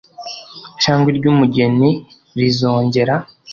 cyangwa iry umugeni rizongera